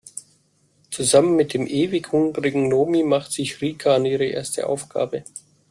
Zusammen mit dem ewig hungrigen Nomi macht sich Rika an ihre erste Aufgabe.